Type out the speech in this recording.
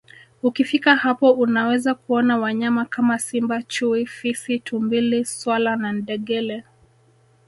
Ukifika hapo unaweza kuona wanyama kama Simba Chui Fisi Tumbili swala na ngedele